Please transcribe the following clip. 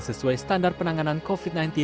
sesuai standar penanganan covid sembilan belas